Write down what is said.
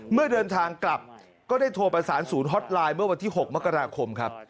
เมื่อเดินทางกลับก็ได้โทรประสานศูนย์ฮอตไลน์เมื่อวันที่๖มกราคมครับ